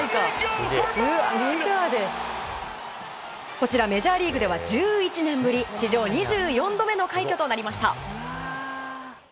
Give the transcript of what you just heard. こちらメジャーリーグでは１１年ぶり史上２４度目の快挙となりました。